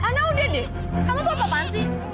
nah udah deh kamu tuh apaan sih